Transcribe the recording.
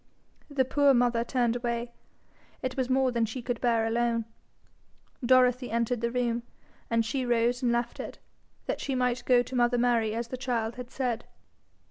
The poor mother turned away. It was more than she could bear alone. Dorothy entered the room, and she rose and left it, that she might go to mother Mary as the child had said.